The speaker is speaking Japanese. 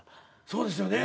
そうですよね。